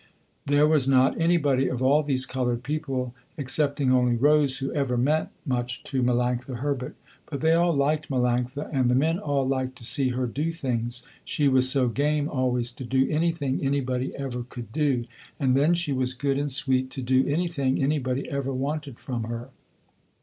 There was not anybody of all these colored people, excepting only Rose, who ever meant much to Melanctha Herbert. But they all liked Melanctha, and the men all liked to see her do things, she was so game always to do anything anybody ever could do, and then she was good and sweet to do anything anybody ever wanted from her.